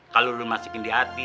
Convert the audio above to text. kalo lu masukin di hati